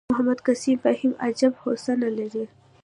محمد قسیم فهیم عجیب هوسونه لري.